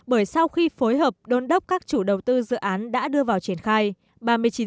bởi sau khi phối hợp đôn đốc các chủ đầu tư dự án đã đưa vào triển khai